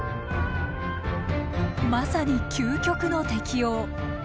まさに究極の適応。